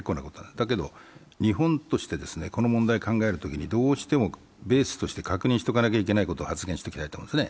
だけど、日本としてこの問題を考えるときにどうしてもベースとして確認しておかなきゃいけないことを発言しておきたいと思うんですね。